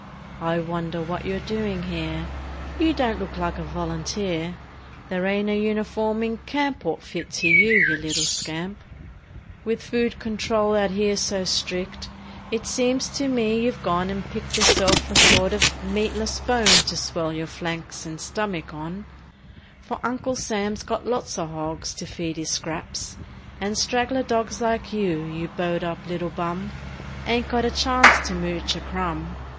I wonder what you're doin' here? You don't look like a volunteer! There ain't a uniform in camp 'Ould fit to you, you little scamp f With food control out here so strict It seems to me you've gone and picked Yourself a sort o' meatless bone To swell your flanks and stummick on, For Uncle Sam's got lots o r hogs To feed his scraps, and straggler dogs Like you, you bowed up little hum, Ain't got a chance to mooch a crumb!